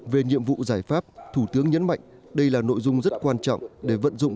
về nhiệm vụ giải pháp thủ tướng nhấn mạnh đây là nội dung rất quan trọng để vận dụng